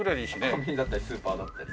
コンビニだったりスーパーだったり。